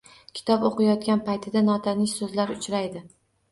Kitob o‘qiyotgan paytda notanish so‘zlar uchraydi.